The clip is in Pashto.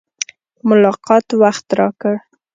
ملاقات وخت راکړ.